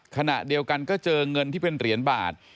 ขณะเดียวกันก็เจอเงินที่เป็นเหรียญบาท